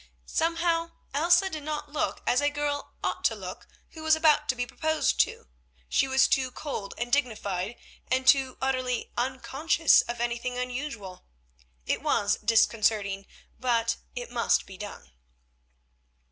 Somehow Elsa did not look as a girl ought to look who was about to be proposed to; she was too cold and dignified, too utterly unconscious of anything unusual. It was disconcerting—but—it must be done.